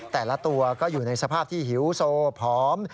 แต่ละตัวก็อยู่ในสภาพที่หิวโซผอม